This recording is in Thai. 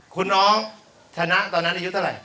คุณน้องชนะตอนนั้นอายุเท่าไหร่